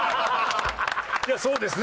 いやそうですね。